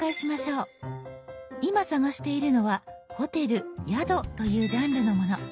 今探しているのは「ホテル・宿」というジャンルのもの。